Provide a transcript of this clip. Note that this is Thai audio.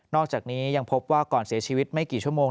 อกจากนี้ยังพบว่าก่อนเสียชีวิตไม่กี่ชั่วโมง